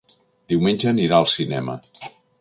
Diumenge anirà al cinema.